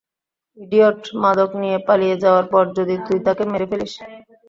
Idiot, মাদক নিয়ে পালিয়ে যাওয়ার পর, যদি তুই তাকে মেরে ফেলিস।